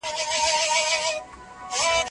املا په هره برخه کي ګټوره ده.